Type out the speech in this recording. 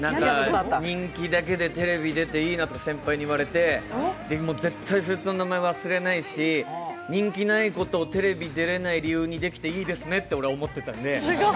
人気だけでテレビ出ていいなって先輩に言われて、絶対そいつの名前忘れないし、人気ないことを、テレビ出れない理由にできていいですねって俺は思ってたので。